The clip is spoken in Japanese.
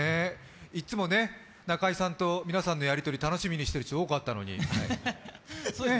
いつも中居さんと皆さんのやりとり、楽しみにしている人多かったのに。